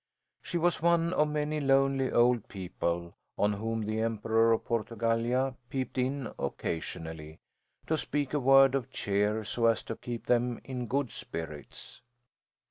She was one of many lonely old people on whom the Emperor of Portugallia peeped in occasionally, to speak a word of cheer so as to keep them in good spirits.